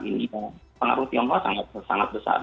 ini pengaruh tionghoa sangat besar